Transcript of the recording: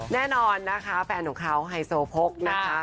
แน่นอนนะคะแฟนของเขาไฮโซโพกนะคะ